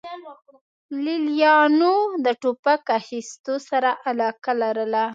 لې لیانو د ټوپک اخیستو سره علاقه لرله